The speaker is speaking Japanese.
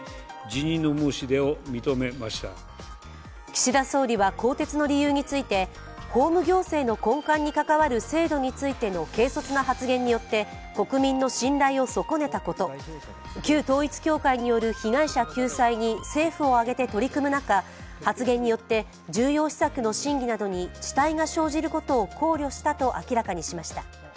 岸田総理は更迭の理由について、法務行政の根幹に関わる制度についての軽率な発言によって国民の信頼を損ねたこと、旧統一教会による被害者救済に政府を挙げて取り組む中、発言によって重要施策の審議などに遅滞が生じることを考慮したと明らかにしました。